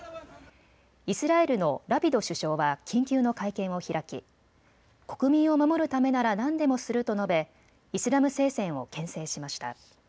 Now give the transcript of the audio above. イスラエルのラピド首相は緊急の会見を開き国民を守るためなら何でもすると述べイスラム聖戦をけん制しました。